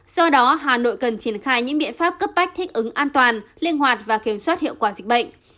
do đó hà nội cần triển khai những biện pháp cấp bách thích ứng an toàn linh hoạt và kiểm soát hiệu quả dịch bệnh